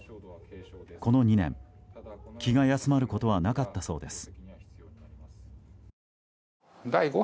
この２年、気が休まることはなかったそうです。